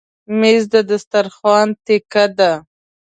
مېز د دسترخوان تکیه ده.